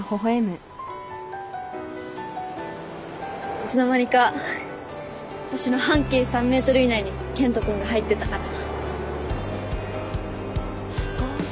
いつの間にか私の半径３ｍ以内に健人君が入ってたから。